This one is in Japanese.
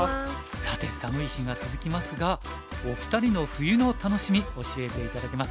さて寒い日が続きますがお二人の冬の楽しみ教えて頂けますか？